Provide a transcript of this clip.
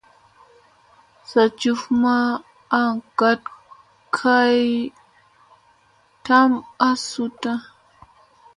Sa njuf ma a gat kay tam a suuta.